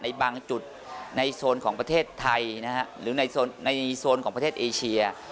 ในบางจุดในโซนของประเทศไทยนะฮะหรือในโซนของประเทศเอเชีย